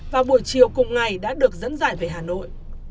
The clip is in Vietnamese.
và buổi chiều cùng ngày đã được dẫn dài về hà nội